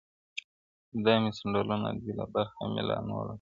دا مي سمنډوله ده برخه مي لا نوره ده -